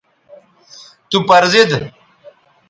تو پر زید